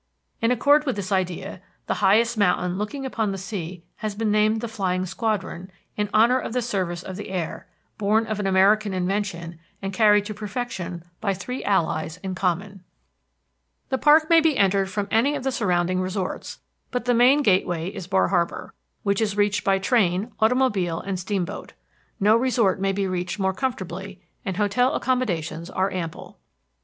In accord with this idea, the highest mountain looking upon the sea has been named the Flying Squadron, in honor of the service of the air, born of an American invention, and carried to perfection by the three allies in common. The park may be entered from any of the surrounding resorts, but the main gateway is Bar Harbor, which is reached by train, automobile, and steamboat. No resort may be reached more comfortably, and hotel accommodations are ample.